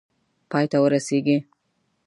پای ته ورسیږي.